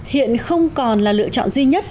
hiện không còn là lựa chọn duy nhất